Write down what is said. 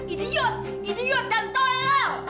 idiot idiot dan toelah